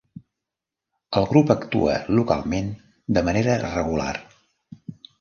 El grup actua localment de manera regular.